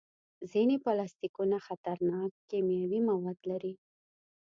ځینې پلاستيکونه خطرناک کیمیاوي مواد لري.